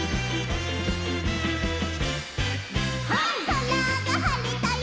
「そらがはれたよ」